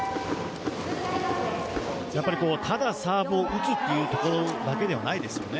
やっぱり、ただサーブを打つというところだけではないですよね。